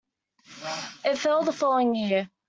It fell the following year.